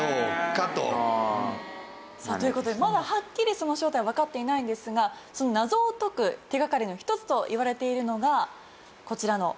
さあという事でまだはっきりその正体はわかっていないんですがその謎を解く手掛かりの一つといわれているのがこちらの。